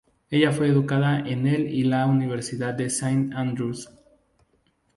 Ella fue educada en el y en la Universidad de Saint Andrews.